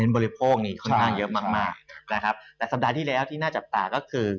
บริโภคนี่ค่อนข้างเยอะมากมากนะครับแต่สัปดาห์ที่แล้วที่น่าจับตาก็คือ